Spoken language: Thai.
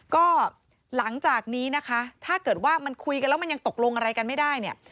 ก็หลังจากนี้นะคะถ้าเกิดว่ามันคุยกันแล้วมันยังตกลงอะไรกันไม่ได้เนี่ย